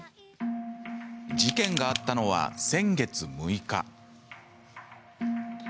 事件があったのは先月６日。